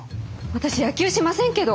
私野球しませんけど。